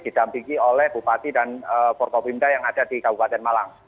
didampingi oleh bupati dan forkopimda yang ada di kabupaten malang